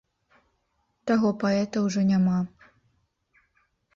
Таго паэта ўжо няма.